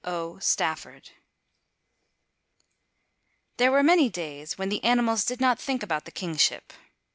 O. STAFFORD There were many days when the animals did not think about the kingship.